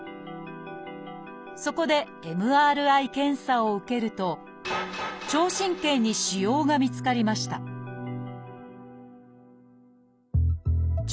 そこでＭＲＩ検査を受けると聴神経に腫瘍が見つかりました聴